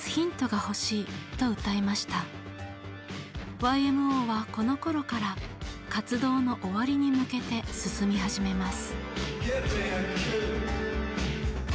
ＹＭＯはこのころから活動の終わりに向けて進み始めます。